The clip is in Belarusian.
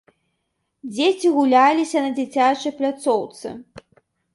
Дзеці гуляліся на дзіцячай пляцоўцы.